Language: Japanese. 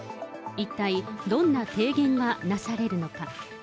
一体どんな提言がなされるのか。